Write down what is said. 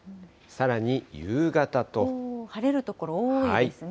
晴れる所多いですね。